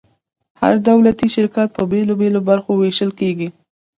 هر دولتي شرکت په بیلو بیلو برخو ویشل کیږي.